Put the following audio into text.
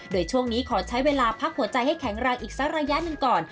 โดยช่วงนี้ขอใช้เวลาพักหัวใจให้แข็งแรงอีกสักระยะหนึ่งก่อน